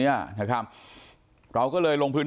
พี่สภัยลงมาดูว่าเกิดอะไรขึ้น